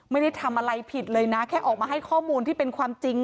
ไม่ได้ทำอะไรผิดเลยนะแค่ออกมาให้ข้อมูลที่เป็นความจริง